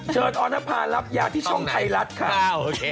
ออนภารับยาที่ช่องไทยรัฐค่ะ